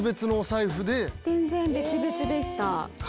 全然別々でした。